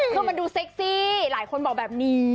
คือมันดูเซ็กซี่หลายคนบอกแบบนี้